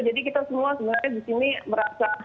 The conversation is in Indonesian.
jadi kita semua sebenarnya disini merasa